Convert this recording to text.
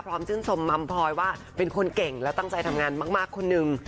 ชื่นชมมัมพลอยว่าเป็นคนเก่งและตั้งใจทำงานมากคนหนึ่ง